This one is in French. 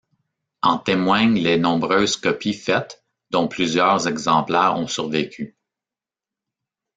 En témoignent les nombreuses copies faites, dont plusieurs exemplaires ont survécu.